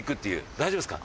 大丈夫ですか？